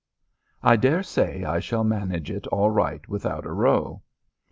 I dare say I shall manage it all right without a row.